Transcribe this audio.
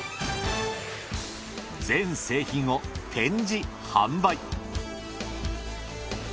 全製品を展示・販売。